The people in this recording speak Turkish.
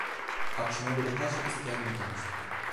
Akşama doğru her şey eski haline gelmişti.